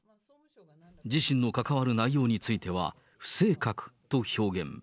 自身の関わる内容については、不正確と表現。